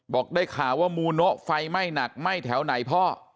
บอกได้ข่าวว่ามูโนะไฟไหม้หนักไหม้แถวไหนพ่อ